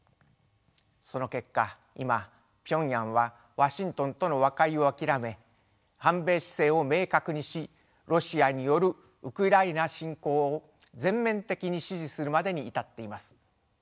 その結果今ピョンヤンはワシントンとの和解を諦め反米姿勢を明確にしロシアによるウクライナ侵攻を全面的に支持するまでに至っています。